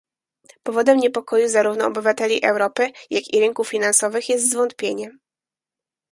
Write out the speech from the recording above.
Powodem niepokoju zarówno obywateli Europy, jak i rynków finansowych jest zwątpienie